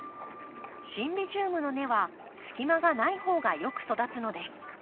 シンビジウムの根は隙間がない方がよく育つのです。